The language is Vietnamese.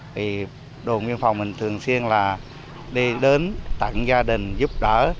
thì đồn biên phòng mình thường xuyên là đi đến tặng gia đình giúp đỡ